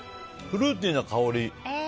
フルーティーな香り。